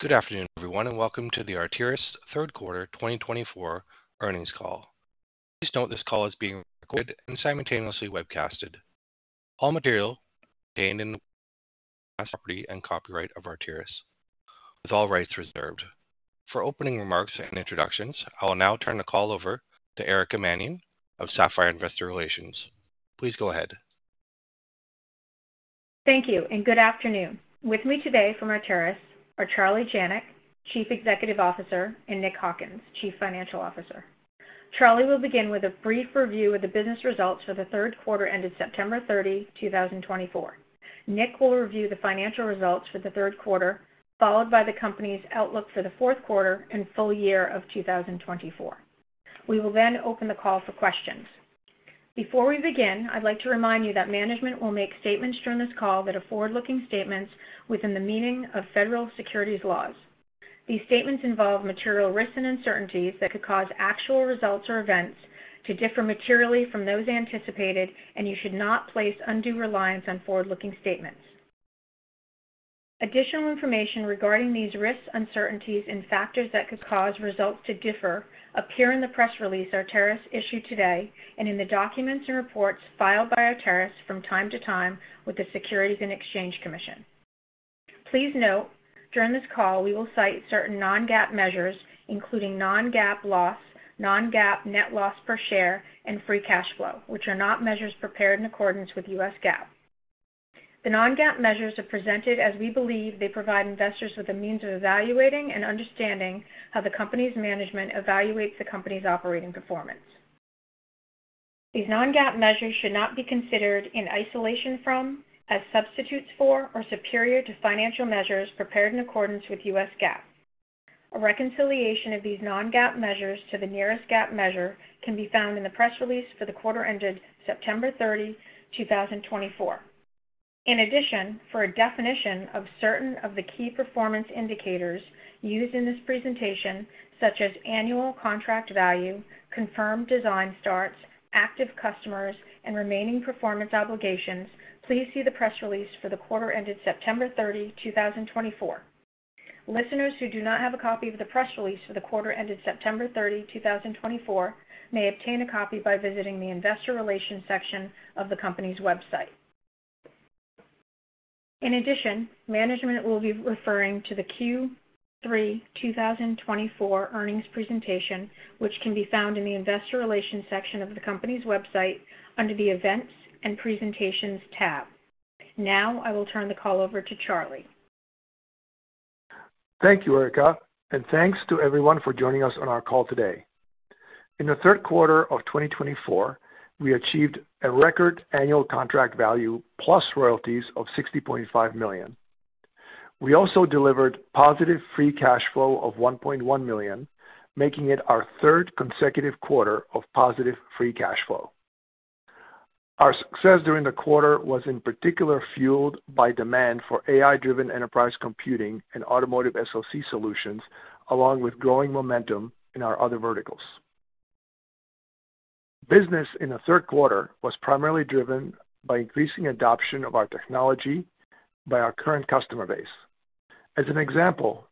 Good afternoon, everyone, and welcome to the Arteris Third Quarter 2024 Earnings Call. Please note this call is being recorded and simultaneously webcasted. All material contained in this call is protected by the property and copyright of Arteris, with all rights reserved. For opening remarks and introductions, I will now turn the call over to Erica Mannion of Sapphire Investor Relations. Please go ahead. Thank you, and good afternoon. With me today from Arteris are Charlie Janac, Chief Executive Officer, and Nick Hawkins, Chief Financial Officer. Charlie will begin with a brief review of the business results for third quarter ended September 30, 2024. Nick will review the financial results for third quarter, followed by the company's outlook for fourth and full year of 2024. We will then open the call for questions. Before we begin, I'd like to remind you that management will make statements during this call that are forward-looking statements within the meaning of federal securities laws. These statements involve material risks and uncertainties that could cause actual results or events to differ materially from those anticipated, and you should not place undue reliance on forward-looking statements. Additional information regarding these risks, uncertainties, and factors that could cause results to differ appears in the press release Arteris issued today and in the documents and reports filed by Arteris from time to time with the Securities and Exchange Commission. Please note, during this call, we will cite certain non-GAAP measures, including non-GAAP loss, non-GAAP net loss per share, and free cash flow, which are not measures prepared in accordance with U.S. GAAP. The non-GAAP measures are presented as we believe they provide investors with a means of evaluating and understanding how the company's management evaluates the company's operating performance. These non-GAAP measures should not be considered in isolation from, as substitutes for, or superior to financial measures prepared in accordance with U.S. GAAP. A reconciliation of these non-GAAP measures to the nearest GAAP measure can be found in the press release for the quarter ended September 30, 2024. In addition, for a definition of certain of the key performance indicators used in this presentation, such as annual contract value, confirmed design starts, active customers, and remaining performance obligations, please see the press release for the quarter ended September 30, 2024. Listeners who do not have a copy of the press release for the quarter ended September 30, 2024, may obtain a copy by visiting the Investor Relations section of the company's website. In addition, management will be referring to the Q3 2024 earnings presentation, which can be found in the Investor Relations section of the company's website under the Events and Presentations tab. Now, I will turn the call over to Charlie. Thank you, Erica, and thanks to everyone for joining us on our call today. In third quarter of 2024, we achieved a record annual contract value plus royalties of $60.5 million. We also delivered positive free cash flow of $1.1 million, making it our third consecutive quarter of positive free cash flow. Our success during the quarter was in particular fueled by demand for AI-driven enterprise computing and automotive SoC solutions, along with growing momentum in our other verticals. Business in third quarter was primarily driven by increasing adoption of our technology by our current customer base. As an example,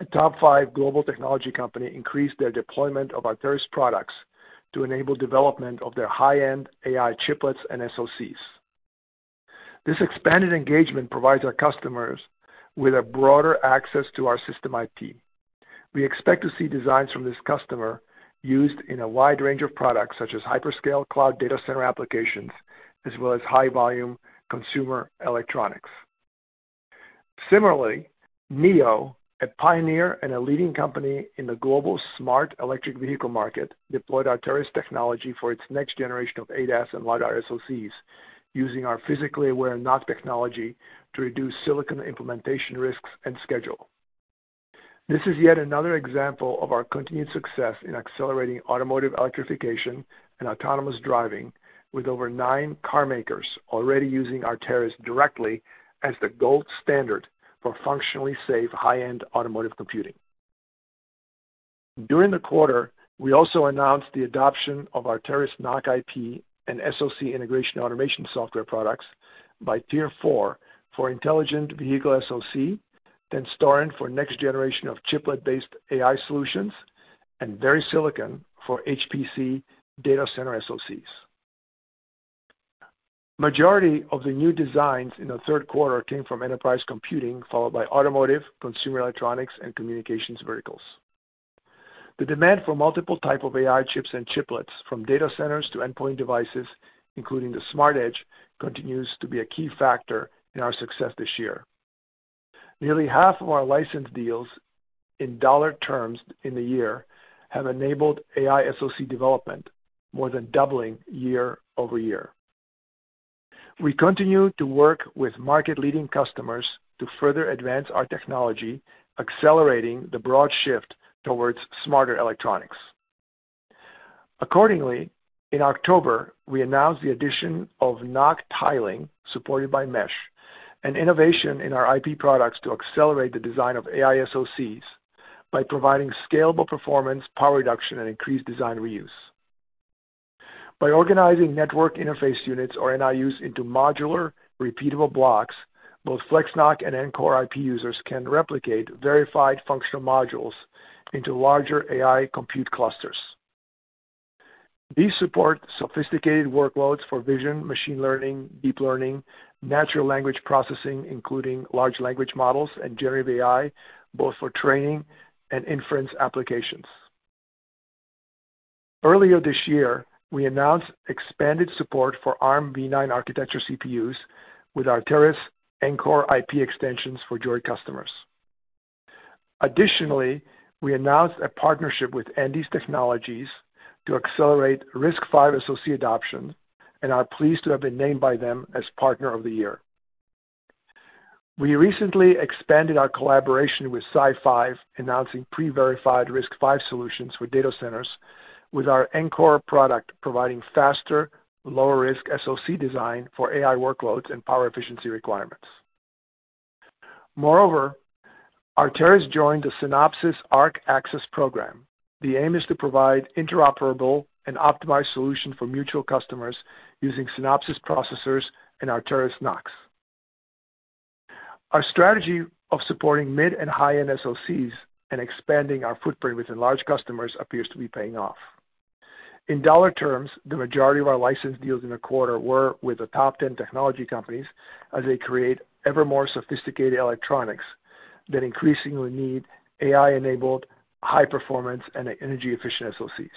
a top five global technology company increased their deployment of Arteris products to enable development of their high-end AI chiplets and SoCs. This expanded engagement provides our customers with broader access to our system IP. We expect to see designs from this customer used in a wide range of products, such as hyperscale cloud data center applications, as well as high-volume consumer electronics. Similarly, NIO, a pioneer and a leading company in the global smart electric vehicle market, deployed Arteris technology for its next generation of ADAS and LiDAR SoCs, using our physically aware NoC technology to reduce silicon implementation risks and schedule. This is yet another example of our continued success in accelerating automotive electrification and autonomous driving, with over nine car makers already using Arteris directly as the gold standard for functionally safe high-end automotive computing. During the quarter, we also announced the adoption of Arteris NoC IP and SoC integration automation software products by TIER IV for intelligent vehicle SoC, then Tenstorrent for next generation of chiplet-based AI solutions, and VeriSilicon for HPC data center SoCs. The majority of the new designs in third quarter came from enterprise computing, followed by automotive, consumer electronics, and communications verticals. The demand for multiple types of AI chips and chiplets, from data centers to endpoint devices, including the smart edge, continues to be a key factor in our success this year. Nearly half of our licensed deals, in dollar terms, in the year have enabled AI SoC development, more than doubling year over year. We continue to work with market-leading customers to further advance our technology, accelerating the broad shift towards smarter electronics. Accordingly, in October, we announced the addition of NoC tiling, supported by mesh, an innovation in our IP products to accelerate the design of AI SoCs by providing scalable performance, power reduction, and increased design reuse. By organizing network interface units, or NIUs, into modular, repeatable blocks, both FlexNoC and Ncore IP users can replicate verified functional modules into larger AI compute clusters. These support sophisticated workloads for vision, machine learning, deep learning, natural language processing, including large language models and generative AI, both for training and inference applications. Earlier this year, we announced expanded support for Armv9 architecture CPUs with Arteris Ncore IP extensions for joint customers. Additionally, we announced a partnership with Andes Technology to accelerate RISC-V SoC adoption and are pleased to have been named by them as Partner of the Year. We recently expanded our collaboration with SiFive, announcing pre-verified RISC-V solutions for data centers, with our Ncore product providing faster, lower-risk SoC design for AI workloads and power efficiency requirements. Moreover, Arteris joined the Synopsys ARC Access Program. The aim is to provide interoperable and optimized solutions for mutual customers using Synopsys processors and Arteris NoCs. Our strategy of supporting mid and high-end SoCs and expanding our footprint within large customers appears to be paying off. In dollar terms, the majority of our licensed deals in the quarter were with the top 10 technology companies, as they create ever more sophisticated electronics that increasingly need AI-enabled, high-performance, and energy-efficient SoCs.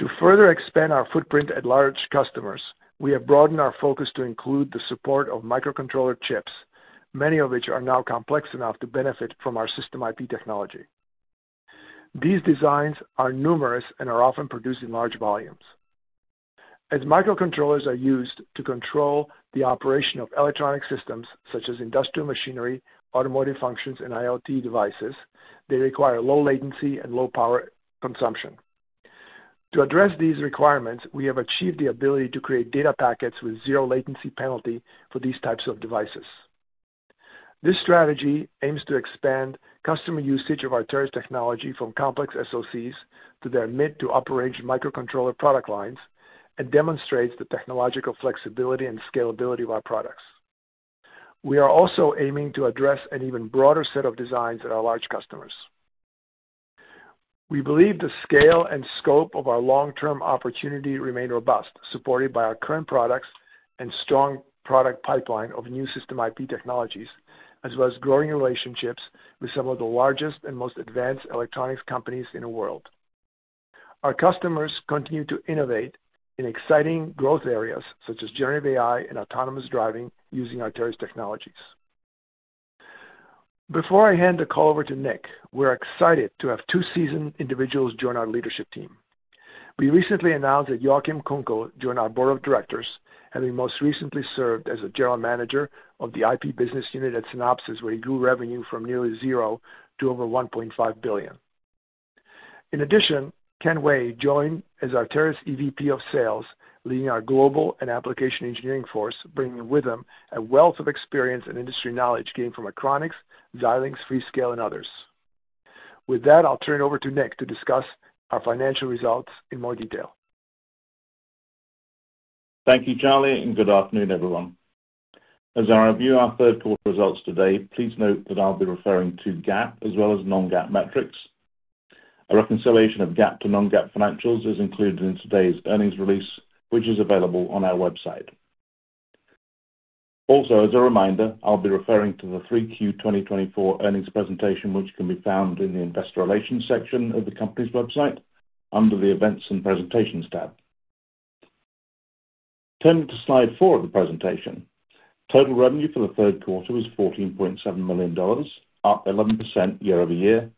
To further expand our footprint at large customers, we have broadened our focus to include the support of microcontroller chips, many of which are now complex enough to benefit from our system IP technology. These designs are numerous and are often produced in large volumes. As microcontrollers are used to control the operation of electronic systems, such as industrial machinery, automotive functions, and IoT devices, they require low latency and low power consumption. To address these requirements, we have achieved the ability to create data packets with zero latency penalty for these types of devices. This strategy aims to expand customer usage of Arteris technology from complex SoCs to their mid to upper-range microcontroller product lines and demonstrates the technological flexibility and scalability of our products. We are also aiming to address an even broader set of designs at our large customers. We believe the scale and scope of our long-term opportunity remain robust, supported by our current products and strong product pipeline of new system IP technologies, as well as growing relationships with some of the largest and most advanced electronics companies in the world. Our customers continue to innovate in exciting growth areas, such as generative AI and autonomous driving, using Arteris technologies. Before I hand the call over to Nick, we're excited to have two seasoned individuals join our leadership team. We recently announced that Joachim Kunkel joined our Board of Directors, having most recently served as a general manager of the IP business unit at Synopsys, where he grew revenue from nearly zero to over $1.5 billion. In addition, Ken Way joined as Arteris EVP of Sales, leading our global and application engineering force, bringing with him a wealth of experience and industry knowledge gained from Achronix, Xilinx, Freescale, and others. With that, I'll turn it over to Nick to discuss our financial results in more detail. Thank you, Charlie, and good afternoon, everyone. As I review our third quarter results today, please note that I'll be referring to GAAP as well as non-GAAP metrics. A reconciliation of GAAP to non-GAAP financials is included in today's earnings release, which is available on our website. Also, as a reminder, I'll be referring to the 3Q 2024 Earnings Presentation, which can be found in the Investor Relations section of the company's website under the Events and Presentations tab. Turning to slide four of the presentation, total revenue for Q4 was $14.7 million, up 11% year over year,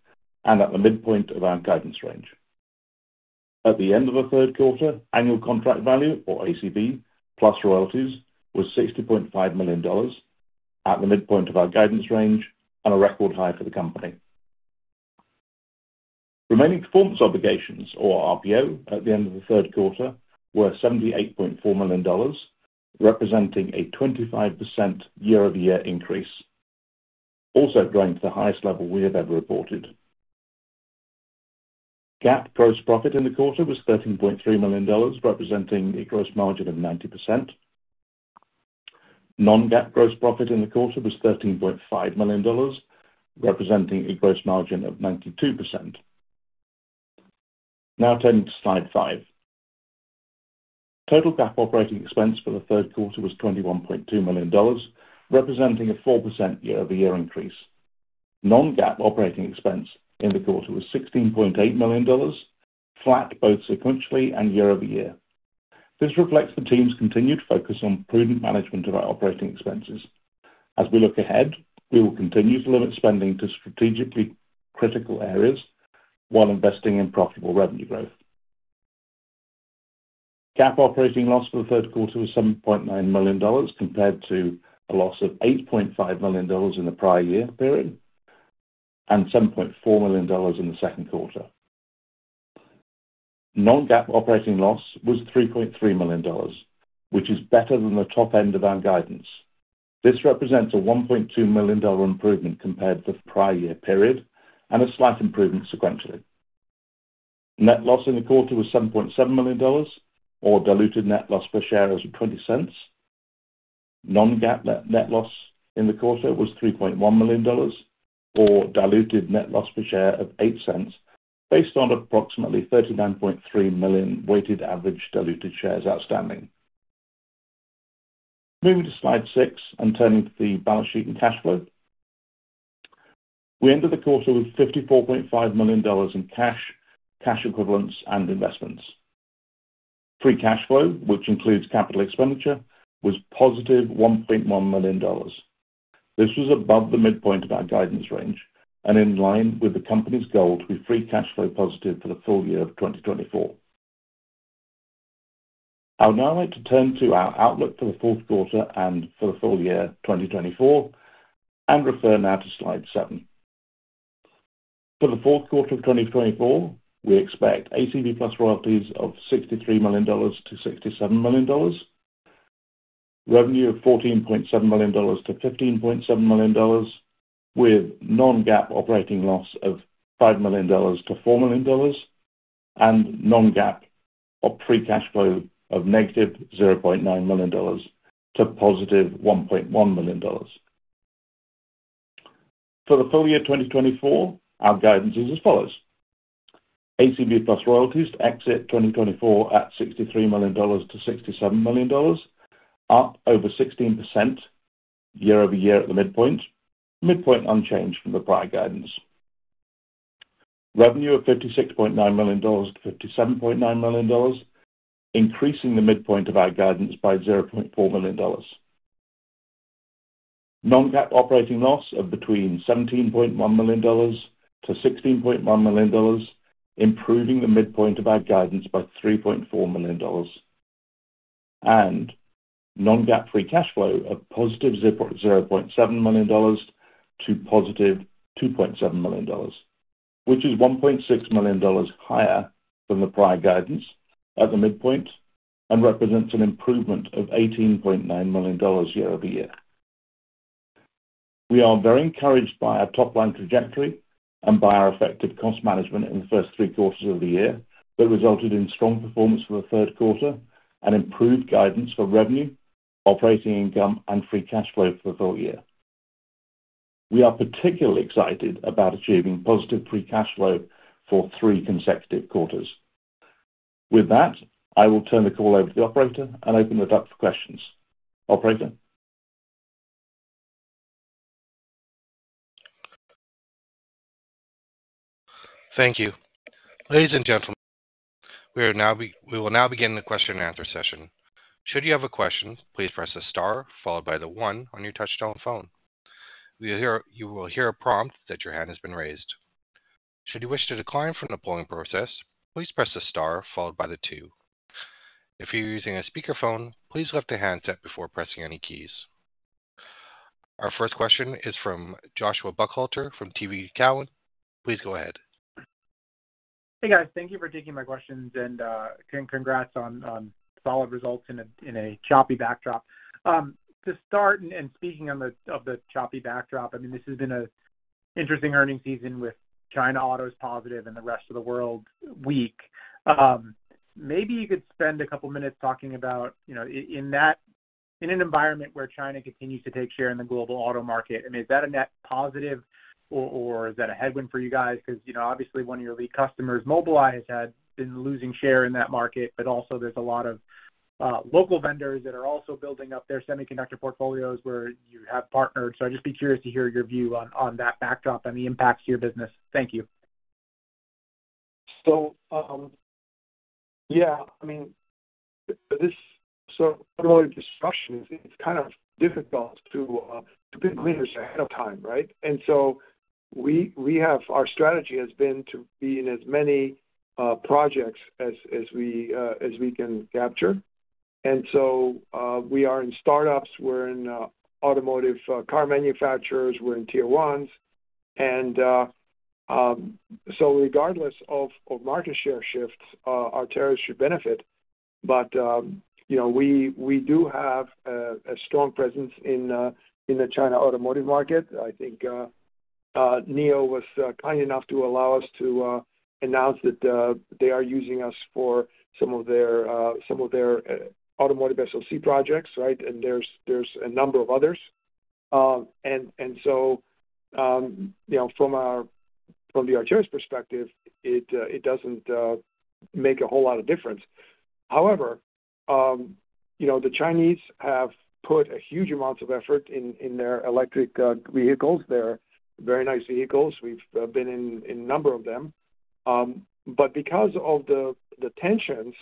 and at the midpoint of our guidance range. At the end of Q4, annual contract value, or ACV + Royalties was $60.5 million, at the midpoint of our guidance range, and a record high for the company. Remaining performance obligations, or RPO, at the end of the third quarter were $78.4 million, representing a 25% year-over-year increase, also growing to the highest level we have ever reported. GAAP gross profit in the quarter was $13.3 million, representing a gross margin of 90%. Non-GAAP gross profit in the quarter was $13.5 million, representing a gross margin of 92%. Now, turning to slide five, total GAAP operating expense for the third quarter was $21.2 million, representing a 4% year-over-year increase. Non-GAAP operating expense in the quarter was $16.8 million, flat both sequentially and year-over-year. This reflects the team's continued focus on prudent management of our operating expenses. As we look ahead, we will continue to limit spending to strategically critical areas while investing in profitable revenue growth. GAAP operating loss for the third quarter was $7.9 million, compared to a loss of $8.5 million in the prior year period and $7.4 million in the second quarter. Non-GAAP operating loss was $3.3 million, which is better than the top end of our guidance. This represents a $1.2 million improvement compared to the prior year period and a slight improvement sequentially. Net loss in the quarter was $7.7 million, or diluted net loss per share of $0.20. Non-GAAP net loss in the quarter was $3.1 million, or diluted net loss per share of $0.08, based on approximately $39.3 million weighted average diluted shares outstanding. Moving to slide six and turning to the balance sheet and cash flow, we ended the quarter with $54.5 million in cash, cash equivalents, and investments. Free cash flow, which includes capital expenditure, was positive $1.1 million. This was above the midpoint of our guidance range and in line with the company's goal to be free cash flow positive for the full year of 2024. I would now like to turn to our outlook for the fourth quarter and for the full year 2024 and refer now to slide seven. For the fourth quarter of 2024, we expect ACV + Royalties of $63 million-$67 million, revenue of $14.7 million-$15.7 million, with non-GAAP operating loss of $5 million-$4 million, and non-GAAP free cash flow of negative $0.9 million to positive $1.1 million. For the full year 2024, our guidance is as follows: ACV + Royalties to exit 2024 at $63 million-$67 million, up over 16% year-over-year at the midpoint, midpoint unchanged from the prior guidance. Revenue of $56.9 million-$57.9 million, increasing the midpoint of our guidance by $0.4 million. Non-GAAP operating loss of between $17.1 million-$16.1 million, improving the midpoint of our guidance by $3.4 million. Non-GAAP free cash flow of positive $0.7 million-$2.7 million, which is $1.6 million higher than the prior guidance at the midpoint and represents an improvement of $18.9 million year-over-year. We are very encouraged by our top-line trajectory and by our effective cost management in the first three quarters of the year that resulted in strong performance for the third quarter and improved guidance for revenue, operating income, and free cash flow for the full year. We are particularly excited about achieving positive free cash flow for three consecutive quarters. With that, I will turn the call over to the operator and open it up for questions. Operator. Thank you. Ladies and gentlemen, we will now begin the question-and-answer session. Should you have a question, please press the star followed by the one on your touch-tone phone. You will hear a prompt that your hand has been raised. Should you wish to decline from the polling process, please press the star followed by the two. If you're using a speakerphone, please pick up the handset before pressing any keys. Our first question is from Joshua Buchalter from TD Cowen. Please go ahead. Hey, guys. Thank you for taking my questions and congrats on solid results in a choppy backdrop. To start, and speaking of the choppy backdrop, I mean, this has been an interesting earnings season with China autos positive and the rest of the world weak. Maybe you could spend a couple of minutes talking about, in an environment where China continues to take share in the global auto market, I mean, is that a net positive, or is that a headwind for you guys? Because obviously, one of your lead customers, Mobileye, has been losing share in that market, but also there's a lot of local vendors that are also building up their semiconductor portfolios where you have partnered. So I'd just be curious to hear your view on that backdrop and the impacts to your business. Thank you. Yeah, I mean, this sort of discussion is kind of difficult to pin down answers ahead of time, right? Our strategy has been to be in as many projects as we can capture. We are in startups, we're in automotive car manufacturers, we're in tier ones. Regardless of market share shifts, Arteris should benefit. We do have a strong presence in the China automotive market. I think NIO was kind enough to allow us to announce that they are using us for some of their automotive SoC projects, right? There's a number of others. From the Arteris perspective, it doesn't make a whole lot of difference. However, the Chinese have put a huge amount of effort in their electric vehicles. They're very nice vehicles. We've been in a number of them. But because of the tensions,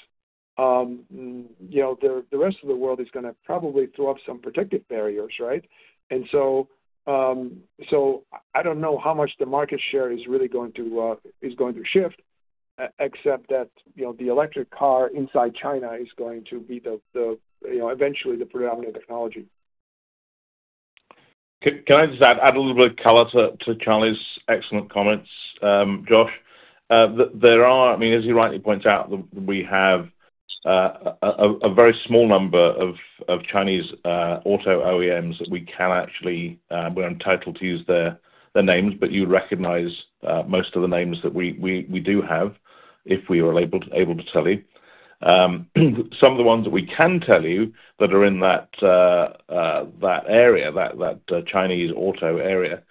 the rest of the world is going to probably throw up some protective barriers, right? And so I don't know how much the market share is really going to shift, except that the electric car inside China is going to be eventually the predominant technology. Can I just add a little bit of color to Charlie's excellent comments, Josh? There are, I mean, as he rightly points out, we have a very small number of Chinese auto OEMs that we can actually—we're entitled to use their names, but you recognize most of the names that we do have if we are able to tell you. Some of the ones that we can tell you that are in that area, that Chinese auto area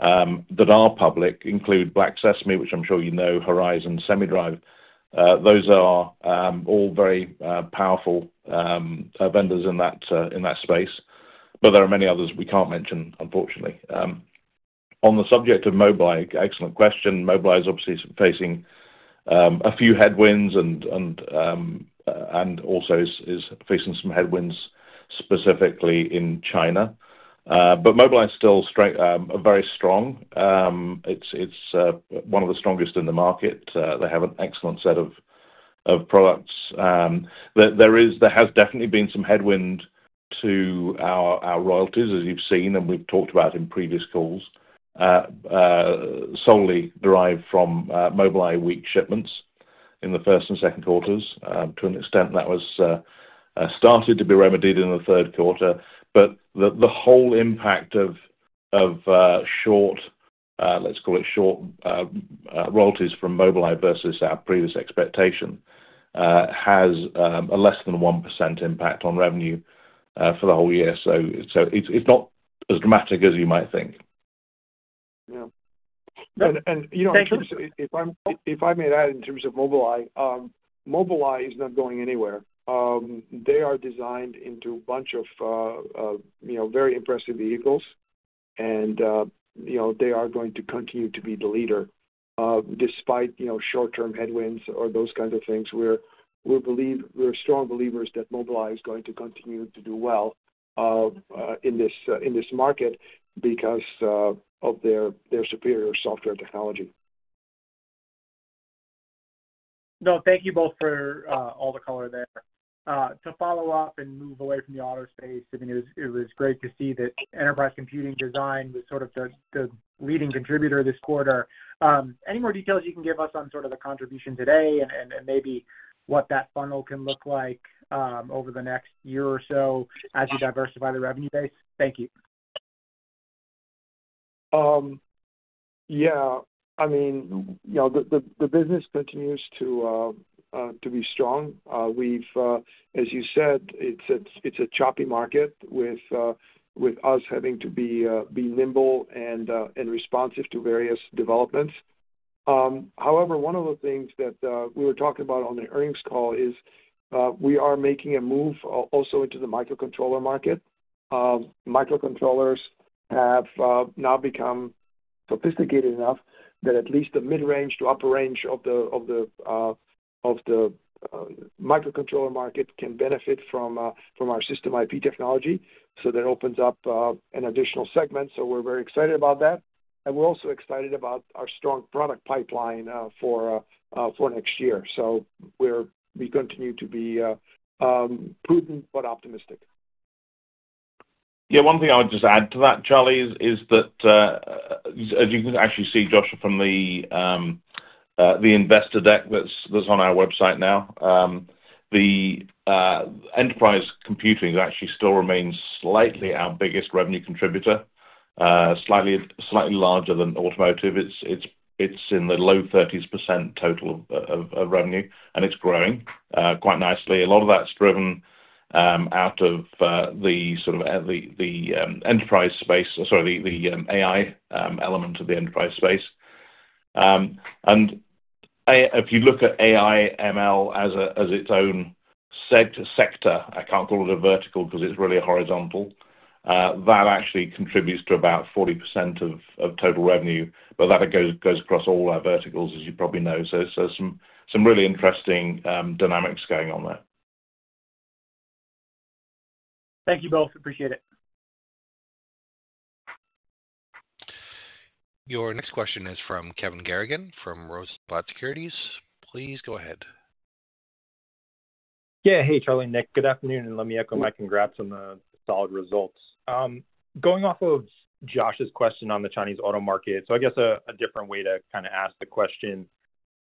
that are public include Black Sesame, which I'm sure you know, Horizon, SemiDrive. Those are all very powerful vendors in that space. But there are many others we can't mention, unfortunately. On the subject of Mobileye, excellent question. Mobileye is obviously facing a few headwinds and also is facing some headwinds specifically in China. But Mobileye is still very strong. It's one of the strongest in the market. They have an excellent set of products. There has definitely been some headwind to our royalties, as you've seen, and we've talked about in previous calls, solely derived from Mobileye weak shipments in the first and second quarters. To an extent, that was started to be remedied in the third quarter. But the whole impact of short, let's call it short royalties from Mobileye versus our previous expectation has a less than 1% impact on revenue for the whole year. So it's not as dramatic as you might think. Yeah. And in terms of, if I may add, in terms of Mobileye, Mobileye is not going anywhere. They are designed into a bunch of very impressive vehicles, and they are going to continue to be the leader despite short-term headwinds or those kinds of things. We're strong believers that Mobileye is going to continue to do well in this market because of their superior software technology. No, thank you both for all the color there. To follow up and move away from the auto space, I mean, it was great to see that enterprise computing design was sort of the leading contributor this quarter. Any more details you can give us on sort of the contribution today and maybe what that funnel can look like over the next year or so as you diversify the revenue base? Thank you. Yeah. I mean, the business continues to be strong. As you said, it's a choppy market with us having to be nimble and responsive to various developments. However, one of the things that we were talking about on the earnings call is we are making a move also into the microcontroller market. Microcontrollers have now become sophisticated enough that at least the mid-range to upper range of the microcontroller market can benefit from our system IP technology. So that opens up an additional segment. So we're very excited about that. And we're also excited about our strong product pipeline for next year. So we continue to be prudent but optimistic. Yeah. One thing I would just add to that, Charlie, is that, as you can actually see, Josh, from the investor deck that's on our website now, the enterprise computing actually still remains slightly our biggest revenue contributor, slightly larger than automotive. It's in the low 30% of total revenue, and it's growing quite nicely. A lot of that's driven out of the sort of enterprise space, sorry, the AI element of the enterprise space. If you look at AI/ML as its own sector, I can't call it a vertical because it's really a horizontal, that actually contributes to about 40% of total revenue. That goes across all our verticals, as you probably know. There's some really interesting dynamics going on there. Thank you both. Appreciate it. Your next question is from Kevin Garrigan from Rosenblatt Securities. Please go ahead. Yeah. Hey, Charlie, Nick, good afternoon. And let me echo my congrats on the solid results. Going off of Josh's question on the Chinese auto market, so I guess a different way to kind of ask the question,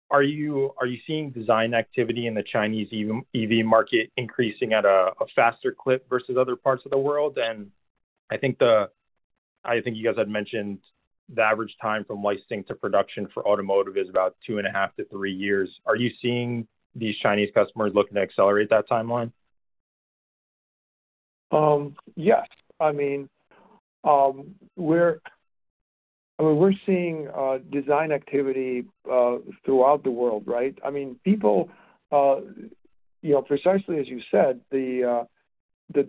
are you seeing design activity in the Chinese EV market increasing at a faster clip versus other parts of the world? And I think you guys had mentioned the average time from licensing to production for automotive is about two and a half to three years. Are you seeing these Chinese customers looking to accelerate that timeline? Yes. I mean, we're seeing design activity throughout the world, right? I mean, people, precisely as you said, the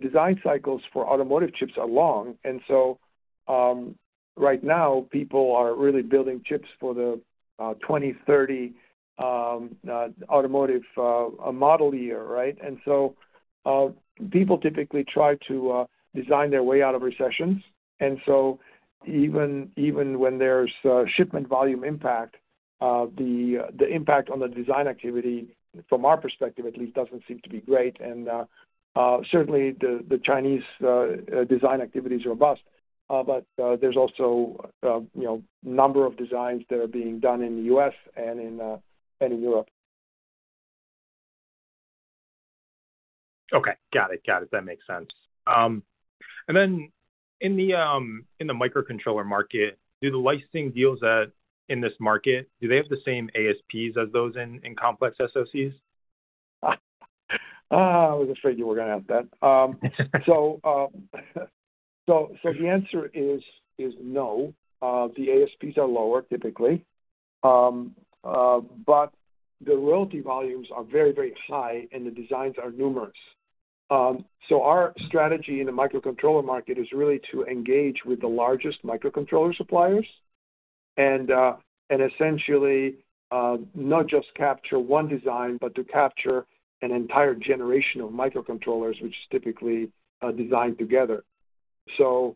design cycles for automotive chips are long. And so right now, people are really building chips for the 2030 automotive model year, right? And so people typically try to design their way out of recessions. And so even when there's shipment volume impact, the impact on the design activity, from our perspective at least, doesn't seem to be great. And certainly, the Chinese design activity is robust. But there's also a number of designs that are being done in the U.S. and in Europe. Okay. Got it. Got it. That makes sense. And then in the microcontroller market, do the licensing deals in this market, do they have the same ASPs as those in complex SoCs? I was afraid you were going to ask that. So the answer is no. The ASPs are lower typically. But the royalty volumes are very, very high, and the designs are numerous. So our strategy in the microcontroller market is really to engage with the largest microcontroller suppliers and essentially not just capture one design, but to capture an entire generation of microcontrollers, which is typically designed together. So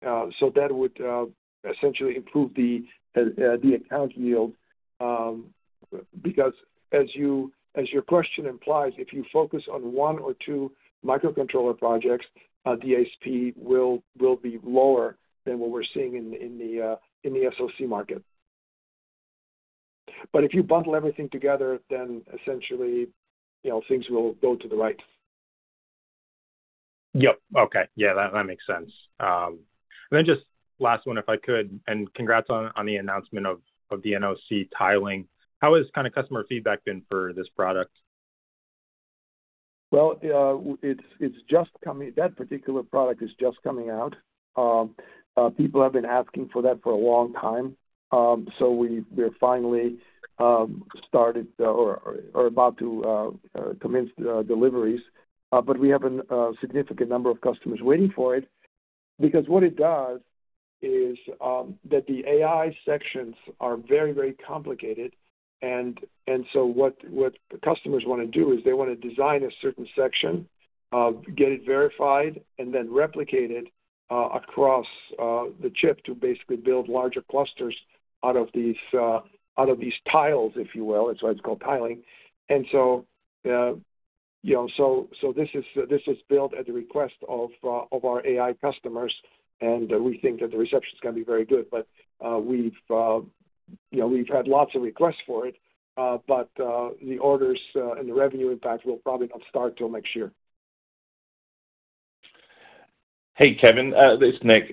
that would essentially improve the account yield because, as your question implies, if you focus on one or two microcontroller projects, the ASP will be lower than what we're seeing in the SoC market. But if you bundle everything together, then essentially things will go to the right. Yep. Okay. Yeah. That makes sense. And then just last one, if I could, and congrats on the announcement of the NoC tiling. How has kind of customer feedback been for this product? That particular product is just coming out. People have been asking for that for a long time, so we're finally started or about to commence deliveries, but we have a significant number of customers waiting for it because what it does is that the AI sections are very, very complicated, and so what customers want to do is they want to design a certain section, get it verified, and then replicate it across the chip to basically build larger clusters out of these tiles, if you will. That's why it's called tiling, and so this is built at the request of our AI customers, and we think that the reception is going to be very good, but we've had lots of requests for it, but the orders and the revenue impact will probably not start till next year. Hey, Kevin. It's Nick.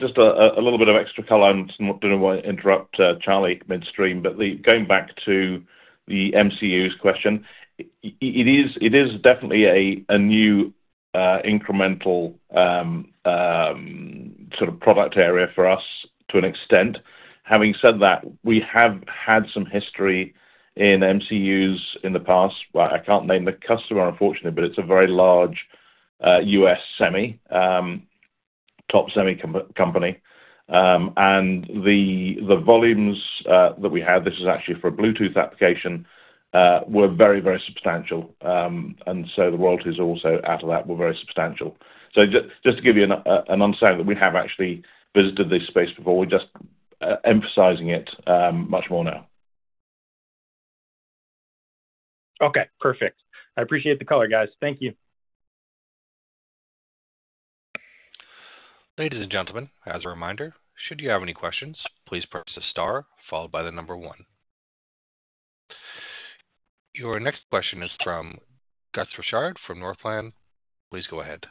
Just a little bit of extra color. I didn't want to interrupt Charlie midstream. But going back to the MCU's question, it is definitely a new incremental sort of product area for us to an extent. Having said that, we have had some history in MCUs in the past. I can't name the customer, unfortunately, but it's a very large U.S. semi, top semi company. And the volumes that we had, this is actually for a Bluetooth application, were very, very substantial. And so the royalties also out of that were very substantial. So just to give you an understanding that we have actually visited this space before, we're just emphasizing it much more now. Okay. Perfect. I appreciate the color, guys. Thank you. Ladies and gentlemen, as a reminder, should you have any questions, please press the star followed by the number one. Your next question is from Gus Richard from Northland. Please go ahead.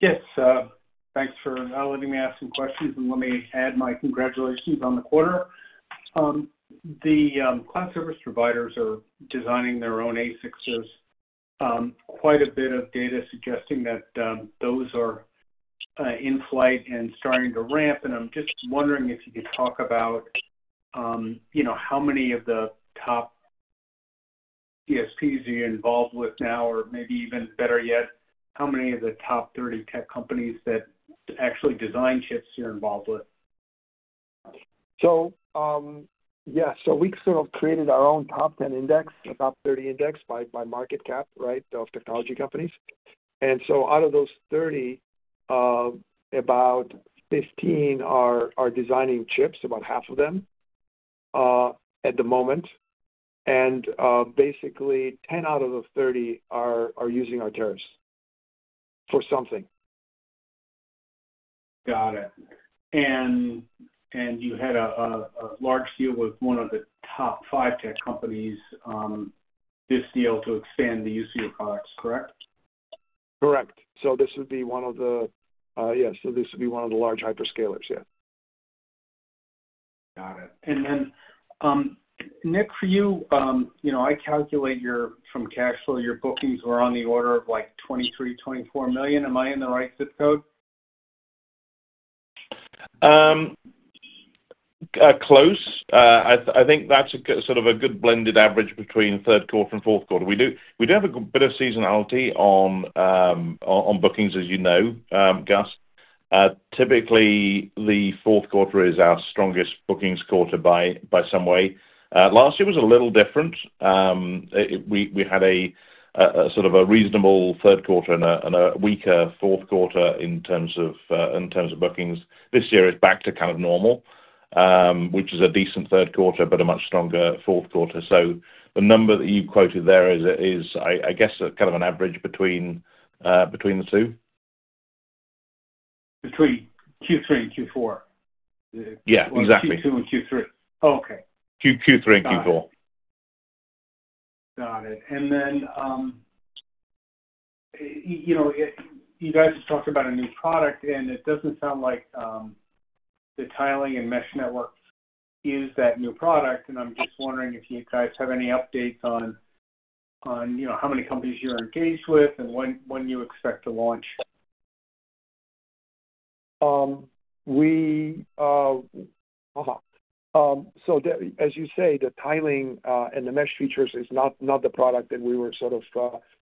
Yes. Thanks for letting me ask some questions. And let me add my congratulations on the quarter. The cloud service providers are designing their own ASICs. There's quite a bit of data suggesting that those are in flight and starting to ramp. And I'm just wondering if you could talk about how many of the top CSPs are you involved with now, or maybe even better yet, how many of the top 30 tech companies that actually design chips you're involved with? So yeah. So we sort of created our own top 10 index, a top 30 index by market cap, right, of technology companies. And so out of those 30, about 15 are designing chips, about half of them at the moment. And basically, 10 out of those 30 are using our IP for something. Got it. And you had a large deal with one of the top five tech companies, this deal to expand the use of your products, correct? Correct. So this would be one of the large hyperscalers, yeah. Got it and then, Nick, for you, I calculate from cash flow, your bookings were on the order of like $23 million-24 million. Am I in the right zip code? Close. I think that's sort of a good blended average between third quarter and fourth quarter. We do have a bit of seasonality on bookings, as you know, Gus. Typically, the fourth quarter is our strongest bookings quarter by some way. Last year was a little different. We had sort of a reasonable third quarter and a weaker fourth quarter in terms of bookings. This year is back to kind of normal, which is a decent third quarter, but a much stronger fourth quarter. So the number that you quoted there is, I guess, kind of an average between the two? Between Q3 and Q4. Yeah. Exactly. Q2 and Q3. Okay. Q3 and Q4. Got it. And then you guys have talked about a new product, and it doesn't sound like the tiling and mesh network is that new product. And I'm just wondering if you guys have any updates on how many companies you're engaged with and when you expect to launch. So as you say, the tiling and the mesh features is not the product that we were sort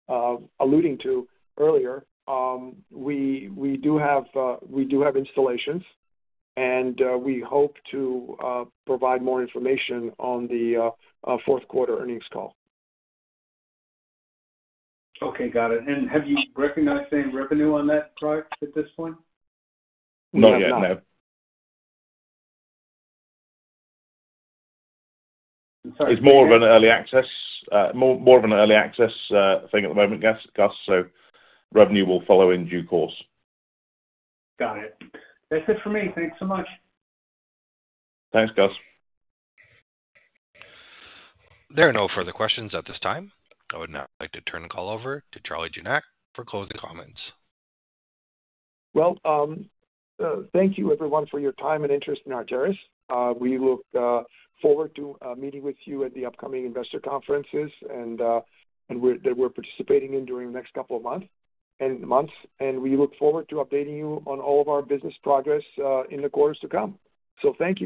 of alluding to earlier. We do have installations, and we hope to provide more information on the fourth quarter earnings call. Okay. Got it. And have you recognized any revenue on that product at this point? Not yet. No. It's more of an early access, more of an early access thing at the moment, Gus. So revenue will follow in due course. Got it. That's it for me. Thanks so much. Thanks, Gus. There are no further questions at this time. I would now like to turn the call over to Charlie Janac for closing comments. Thank you, everyone, for your time and interest in our earnings. We look forward to meeting with you at the upcoming investor conferences that we're participating in during the next couple of months. We look forward to updating you on all of our business progress in the quarters to come. Thank you.